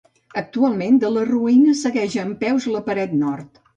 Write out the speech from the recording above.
Actualment, de les ruïnes segueix en peus la paret nord.